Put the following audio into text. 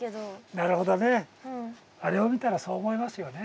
あなるほどね。あれを見たらそう思いますよね。